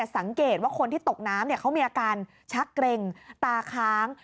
สังเกตว่าคนที่ตกน้ำเขามีอาการชักเกร็งตาค้าง